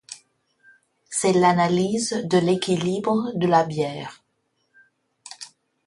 C’est l’analyse de l’équilibre de la bière.